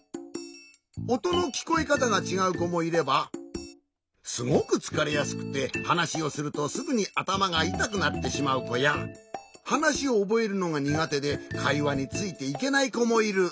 おとのきこえかたがちがう子もいればすごくつかれやすくて話をするとすぐにあたまがいたくなってしまう子や話をおぼえるのが苦手でかいわについていけない子もいる。